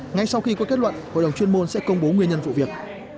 ngay sau khi có kết luận hội đồng chuyên môn sẽ công bố nguyên nhân vụ việc